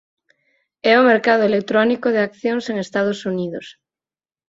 É o mercado electrónico de accións en Estados Unidos.